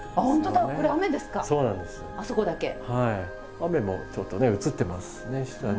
雨もちょっとね映ってますね下に。